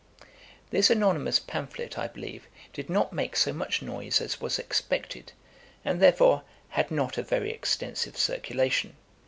This anonymous pamphlet, I believe, did not make so much noise as was expected, and, therefore, had not a very extensive circulation.